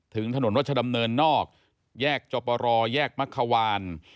ถนนรัชดำเนินนอกแยกจบรอแยกมักขวาน